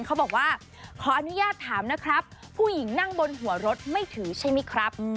เขาบอกว่าขออนุญาตถามนะครับผู้หญิงนั่งบนหัวรถไม่ถือใช่ไหมครับ